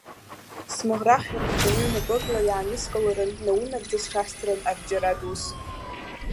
Смаӷра хьарҵәаны ҩнапыкла иааныскыларын, наунагӡа сҽас ҭарын арҿиаратә ус!